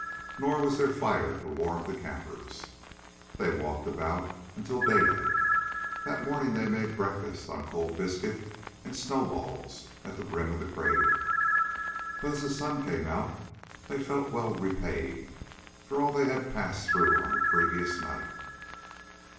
Nor was there fire to warm the campers. They walked about until daylight. That morning they made a breakfast on cold biscuit and snowballs at the rim of the crater. But as the sun came out they felt well repaid for all that they had passed through on the previous night.